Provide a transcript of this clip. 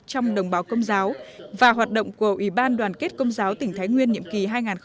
trong đồng bào công giáo và hoạt động của ủy ban đoàn kết công giáo tỉnh thái nguyên nhiệm kỳ hai nghìn một mươi sáu hai nghìn hai mươi ba